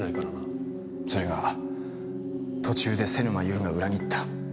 それが途中で瀬沼優が裏切った。